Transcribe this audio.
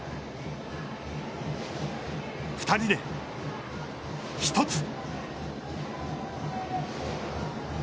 ２人で、１つ！